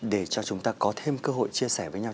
để cho chúng ta có thêm cơ hội chia sẻ với nhau